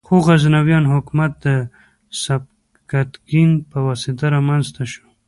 خو غزنویان حکومت د سبکتګین په واسطه رامنځته شو.